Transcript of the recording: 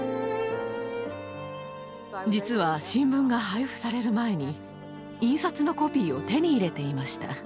実は新聞が配布される前に印刷のコピーを手に入れていました。